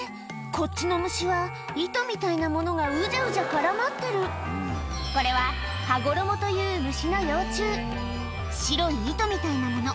こっちの虫は糸みたいなものがうじゃうじゃ絡まってるこれは白い糸みたいなもの